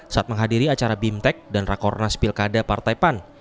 saat menghadiri acara bimtek dan rakornas pilkada partai pan